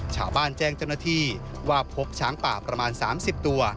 ชาวบ้านแจ้งเจ้าหน้าที่ว่าพบช้างป่าประมาณ๓๐ตัว